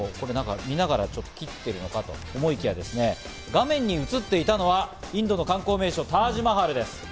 見ながら切っているのかと思いきや、画面に映っていたのはインドの観光名所・タージマハルです。